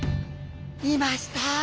いました！